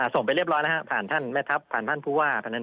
ไปเรียบร้อยแล้วผ่านท่านแม่ทัพผ่านท่านผู้ว่า